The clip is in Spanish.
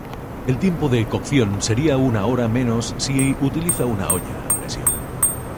El tiempo de cocción sería una hora menos si utiliza una olla a presión.